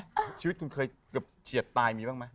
ชีวิตคุณเคยเกือบเฉียดตายมีบ้างไหม